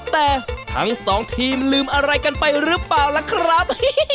แต่ทั้งสองทีมลืมอะไรกันไปหรือเปล่าล่ะครับ